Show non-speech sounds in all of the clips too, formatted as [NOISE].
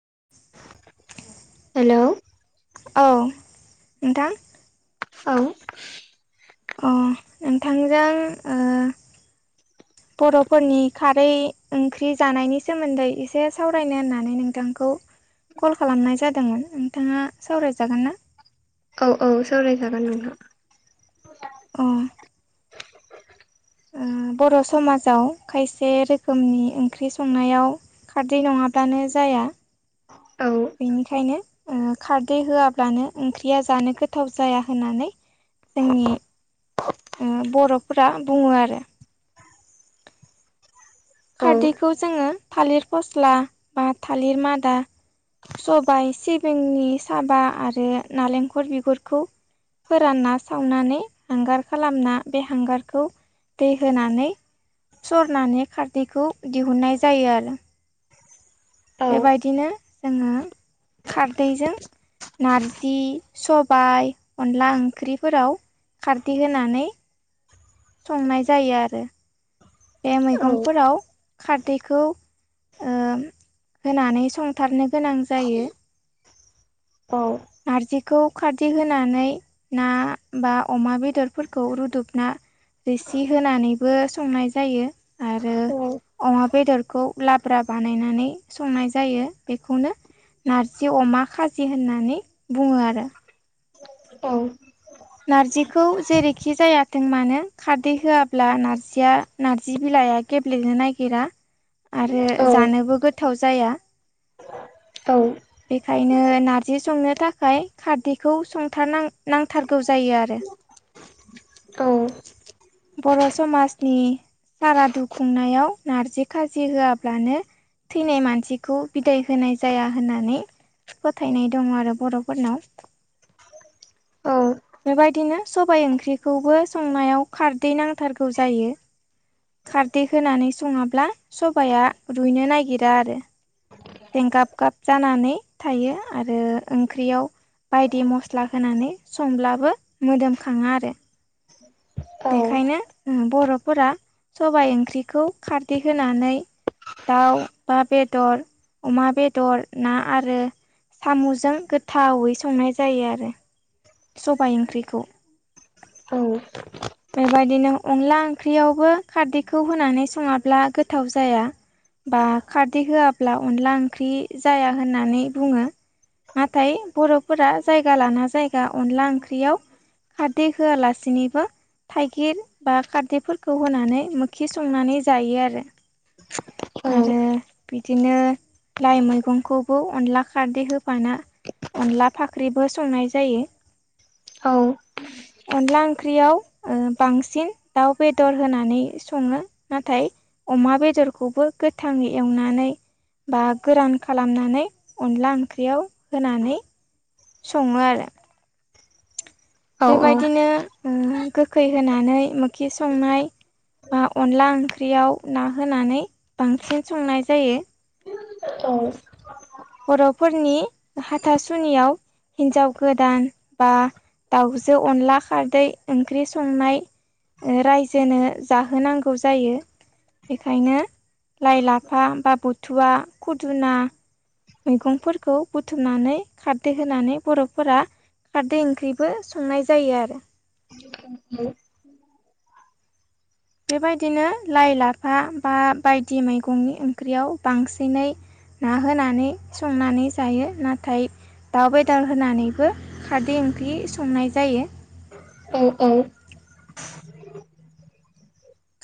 [INAUDIBLE] Hello औ नोंथां औ अ नोंथांजों ओ बरफोरनि खारै ओंख्रि जानायनि सोमोन्दै एसे सावरायनो होननानै नोंथांखौ कल खालामनाय जादोंमोन नोंथाङा सावरायजागोन ना औ औ सावरायजागोन नोंथां अ ओ बर समाजाव खायसे रोखोमनि ओंख्रि संनायाव खारदै नङाब्लानो जाया औ बेनिखायनो ओ खारदै होआब्लानो ओंख्रिया जानो गोथाव जाया होननानै जोंनि ओम बरफोरा बुङो आरो औ खारदैखौ जोङो थालिर फस्ला बा थालिर मादा सबाय सिबिंनि साबा आरो नालेंखर बिगुरखौ फोरानना सावनानै हांगार खालामना बे हांगारखौ दै होनानै सरनानै खारदैखौ दिहुननाय जायो आरो औ बेबायदिनो जोङो खारदैजों नारजि सबाय अनला ओंख्रिफोराव खारदि होनानै संनाय जायो आरो बे औ मैगंफोराव खारदैखौ ओ होनानै संथारनो गोनां जायो औ नारजिखौ खारदि होनानै ना बा अमा बेदरफोरखौ रुदबना रोसि होनानैबो संनाय जायो आरो औ अमा बेदरखौ लाब्रा बानायनानै संनाय जायो बेखौनो नारजि अमा खाजि होननानै बुङो आरो औ नारजिखौ जेरैखि जायाथों मानो खारदै होआब्ला नारजिया नारजि बिलाइया गेब्लेनो नागिरा आरो औ जानोबो गोथाव जाया औ बेखायनो नारजि संनो थाखाय खारदैखौ संथार नां-नांथारगौ जायो आरो [INAUDIBLE] औ बर' समासनि सारादु खुंनायाव नारजि खाजि होआब्लानो थैनाय मानसिखौ बिदाय होनाय जाया होननानै फोथायनाय दङ आरो बर'फोरनाव बेबायदिनो सबाय ओंख्रिखौबो संनायाव खारदै नांथारगौ जायो खारदै होनानै सङाब्ला सबाया रुयनो नागिरा आरो जेंगाब गाब जानानै थायो आरो ओंख्रियाव बायदि मस्ला होनानै संब्लाबो मोदोमखाङा आरो बेखायनो ओ बर'फोरा सबाइ ओंख्रिखौ खारदै होनानै दाउ बा बेदर अमा बेदर ना आरो साम'जों गोथावै संनाय जायो आरो सबाइ ओंख्रिखौ औ बेबायदिनो अनला ओंख्रियावबो खारदैखौ होनानै सङाब्ला गोथाव जाया बा खारदै होआब्ला अनला ओंख्रि जाया होननानै बुङो नाथाय बर'फोरा जायगा लाना जायगा अनला ओंख्रियाव खारदै होआलासिनोबो थाइगिर बा खारदैफोरखौ होनानै मोखि संनानै जायो आरो औ आरो बिदिनो लाइ मैगंखौबो अनला खारदै होफाना अनला फाख्रिबो संनाय जायो अनला ओंख्रियाव ओ बांसिन दाउ बेदर होनानै सङो नाथाय अमा बेदरखौबो गोथाङै एवनानै बा गोरान खालामनानै अनला ओंख्रियाव होनानै सङो आरो बेबायदिनो ओ गोखै होनानै मोखि संनाय बा अनला ओंख्रियाव ना होनानै बांसिन संनाय जायो औ बर'फोरनि हाथासुनियाव हिनजाव गोदान बा दाउजो अनला खारदै ओंख्रि संनाय रायजोनो जाहोनांगौ जायो बेखायनो लाइ लाफा बा बुथुवा खुदुना मैगंफोरखौ बुथुमनानै खारदै होनानै बर'फोरा खारदै ओंख्रिबो संनाय जायो आरो बे बेबायदिनो लाइ लाफा बा बायदि मैगंनि ओंख्रियाव बांसिनै ना होनानै संनानै जायो नाथाय दाउ बेदर होनानैबो खारदै ओंख्रि संनाय जायो औ औ [UNINTELLIGIBLE]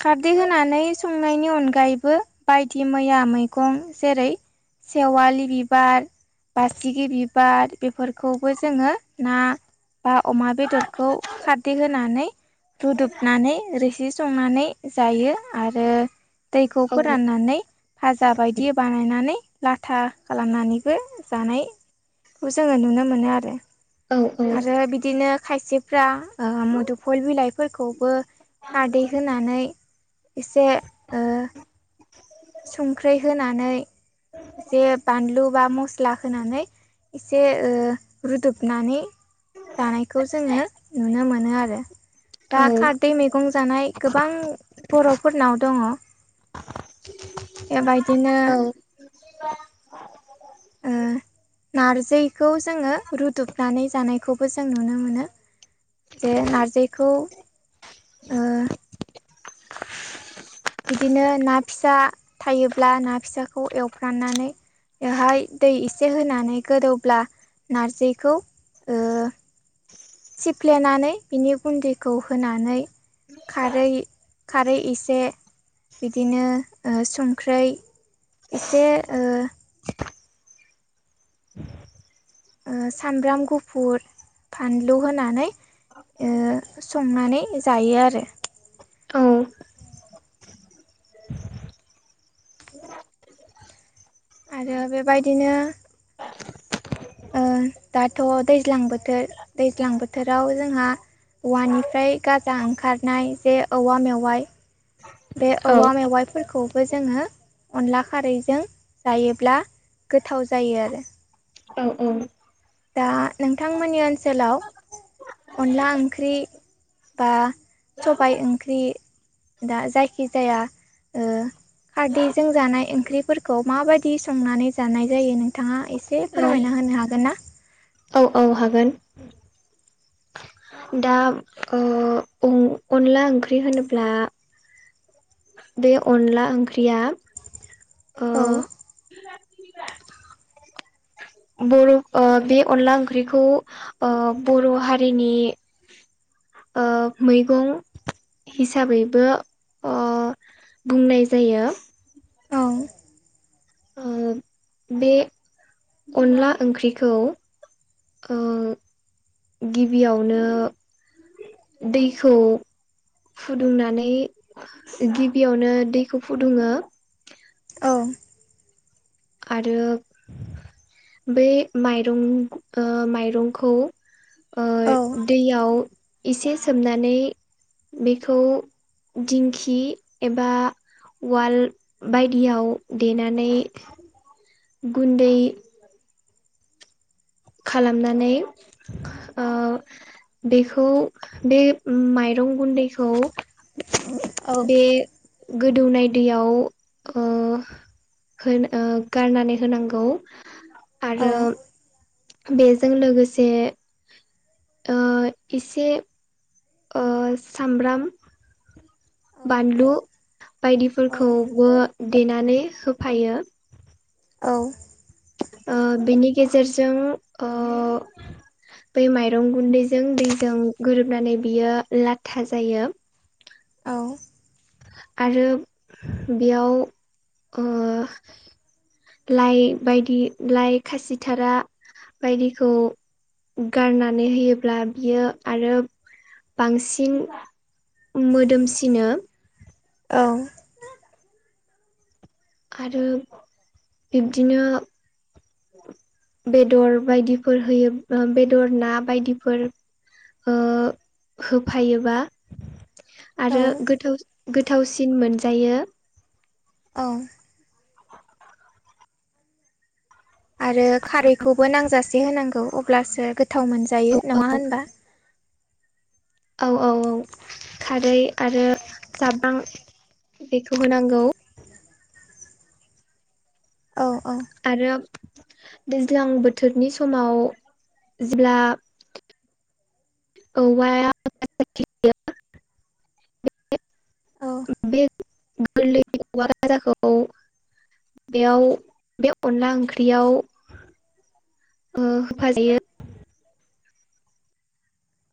खारदै होनानै संनायनि अनगायैबो बायदिमैया मैगं जेरै सेवालि बिबार बासिगि बिबार बेफोरखौबो जोङो ना बा अमा बेदरखौ खारदै होनानै रुदुबनानै रोसि संनानै जायो आरो दैखौ फोराननानै भाजा बायदि बानायनानै लाथा खालामनानैबो जानाय खौ जोङो नुनो मोनो आरो आरो बिदिनो खायसेफ्रा ओ मुदुफल बिलाइफोरखौबो खारदै होनानै एसे ओ संख्रि होनानै जे बानलु बा मस्ला होनानै एसे ओ रुदुबनानै जानायखौ जोङो नुनो मोनो आरो दा खारदै मैगं जानाय गोबां बर'फोरनाव दङ एबायदिनो ओ नारजिखौ जोङो रुदबनानै जानायखौबो जों नुनो मोनो जे नारजिखौ ओ बिदिनो ना फिसा थायोब्ला ना फिसाखौ एवफ्राननानै बेवहाय दै एसे होनानै गोदौब्ला नारजिखौ ओ सिफ्लेनानै बिनि गुन्दैखौ होनानै खारै खारै इसे बिदिनो संख्रै इसे ओ ओ सामब्राम गुफुर फानलु होनानै ओ संनानै जायो आरो आरो बेबायदिनो ओ दाथ' दैज्लां बोथोर दैज्लां बोथोराव जोंहा औवानिफ्राय गाजा ओंखारनाय जे औवा मेवाइ बे औवा मेवाइफोरखौ खौ जोङो अनला खारैजों जायोब्ला गोथाव जायो आरो औ औ दा नोंथांमोननि ओनसोलाव अनला ओंख्रि बा सबाय ओंख्रि दा जायखि जाया ओ खारदैजों जानाय ओंख्रिफोरखौ माबायदि संनानै जानाय जायो नोंथाङा एसे फोरमायना हो मान हागोन ना? औ हागोन दा ओ अन-अनला ओंख्रि होनोब्ला बे अनला ओंख्रिया ओ औ बर' ओ बे अनला ओंख्रिखौ ओ बर' हारिनि ओ मैगं हिसाबैबो ओ बुंनाय जायो। औ ओ बे अनला ओंख्रिखौ ओ गिबियावनो दैखौ फुदुंनानै गिबियावनो दैखौ फुदुङो औ आरो बेै माइरं ओ माइरंखौ ओ औ औ दैयाव एसे सोमनानै बेखौ दिंखि एबा वाल बायदियाव दैनानै गुन्दै खालामनानै बेखौ ओ बे माइ रं गुन्दैखौ बे गोदौनाय दैयाव ओ होनो गारनानै होनांगौ औ आरो बेजों लोगोसे ओ एसे ओ सामब्राम बानलु बायदिफोरखौबो देनानै होफायो। औ ओ बिनि गेजेरजों ओ बै माइरं गुन्दैजों दैजों गोरोबनानै बियो लाथा जायो। औ आरो बेयाव ओ लाइ बायदि लाइ खासिथारा बायदिखौ गारनानै होयोब्ला बियो आरो बांसिन मोदोमसिनो औ आरो बिब्दिनो बेदर बायदिफोर होयोब्ला बेदर ना बायदिफोर ओ होफायोबा औ आरो गोथाव गोथावसिन मोनजायो। औ आरो खारैखौबो नांजासे होनांगौ अब्लासो गो गोथाव मोनजायो नङा होनबा? औ औ औ खारै आरो जाब्रां बेखौ होनांगौ औ औ आरो दैज्लां बोथोरनि समाव जेब्ला औवाया [UNINTELLIGIBLE] औ [UNINTELLIGIBLE] बेयाव बे अनला ओंख्रियाव ओ होफाजायो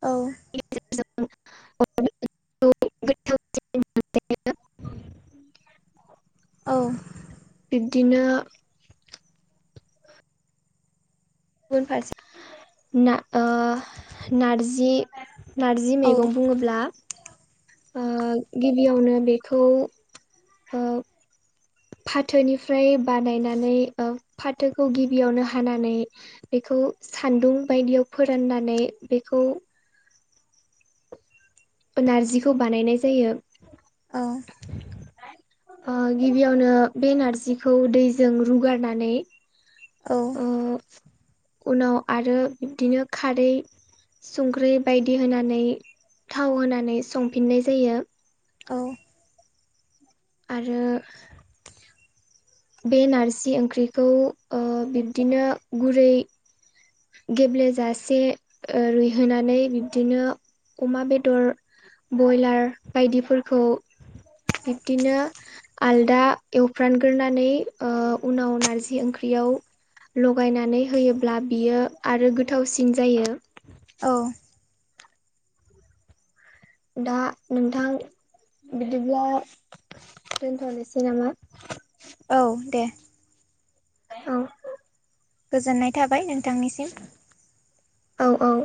औ [UNINTELLIGIBLE] [UNINTELLIGIBLE] बिब्दिनो गुबुन फारसे नार ओ नारजि नारजि औ मैगं बुङोब्ला ओ गिबियावनो बेखौ ओ फाथोनिफ्राय बानायनानै फाथोखौ गिबियावनो हानानै बेखौ खौ सान्दुं बायदियाव फोराननानै बेखौ नारजिखौ बानायनाय जायो। औ ओ गिबियावनो बे नारजिखौ दैजों रुगारनानै औ ओ उनाव आरो बिब्दिनो खारै संख्रि बायदि होनानै थाव होनानै संफिननाय जायो। औ आरो बे नारजि ओंख्रिखौ ओ बिब्दिनो गुरै गेब्लेेजासे रुइहोनानै बिब्दिनो अमा बेदर बयलार बायदिफोरखौ बिब्दिनो आलदा एवफ्रामग्रोना नै ओ उनाव नारजि ओंख्रियाव लगायनानै होयोब्ला बियो आरो गोथावसिन जायो औ दा नोंथां बिदिब्ला दोनथ'नोसै नामा औ दे औ गोजोननाय थाबाय नोंथांनिसिम औ औ